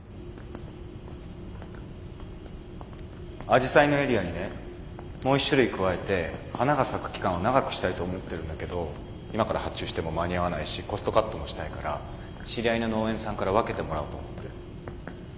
アジサイのエリアにねもう一種類加えて花が咲く期間を長くしたいと思ってるんだけど今から発注しても間に合わないしコストカットもしたいから知り合いの農園さんから分けてもらおうと思ってる。